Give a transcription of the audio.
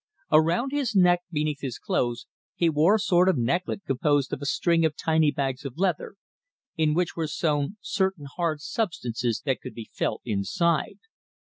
Around his neck beneath his clothes he wore a sort of necklet composed of a string of tiny bags of leather, in which were sewn certain hard substances that could be felt inside.